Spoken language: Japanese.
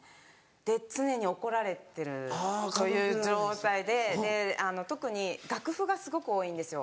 で常に怒られてるという状態で特に楽譜がすごく多いんですよ。